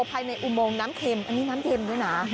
ภายในอุโมงน้ำเคลมอันนี้น้ำเคลมด้วยนะ